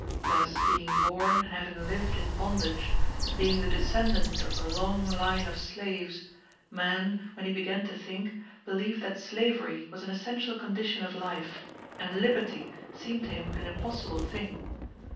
Thus being born and having lived in bondage, being the descendant of a long line of slaves, man, when he began to think, believed that slavery was an essential condition of life; and liberty seemed to him an impossible thing.